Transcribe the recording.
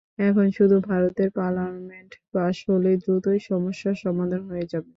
এখন শুধু ভারতের পার্লামেন্টে পাস হলেই দ্রুতই সমস্যার সমাধান হয়ে যাবে।